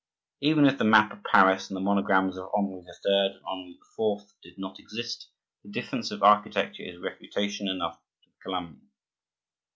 Even if the map of Paris, and the monograms of Henri III. and Henri IV. did not exist, the difference of architecture is refutation enough to the calumny.